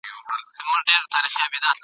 خو نصیب به دي وي اوښکي او د زړه درد رسېدلی ..